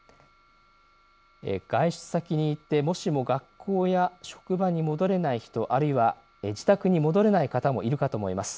外出先に行ってもしも学校や職場に戻れない人、あるいは自宅に戻れない方もいるかと思います。